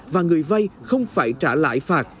và người vay không phải trả lãi phạt